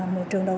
một trường đầu tư